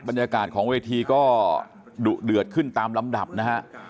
บรรยากาศของเวทีก็ดุเดือดขึ้นตามลำดับนะฮะ